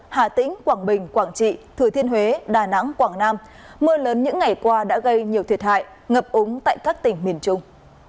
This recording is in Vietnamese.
hà tĩnh quảng bình quảng trị thừa thiên huế đà nẵng quảng nam mưa lớn những ngày qua đã gây nhiều thiệt hại ngập úng tại các tỉnh miền trung